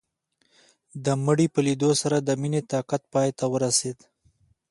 د مړي په ليدو سره د مينې طاقت پاى ته ورسېد.